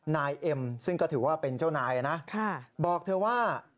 นายเอ็มซึ่งก็ถือว่าเป็นเจ้านายนะบอกเธอว่า